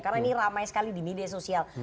karena ini ramai sekali di media sosial